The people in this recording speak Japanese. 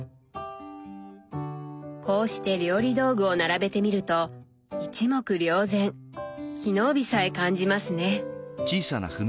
こうして料理道具を並べてみると一目瞭然機能美さえ感じますね。